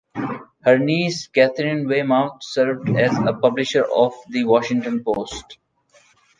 Her niece, Katharine Weymouth, served as publisher of "The Washington Post".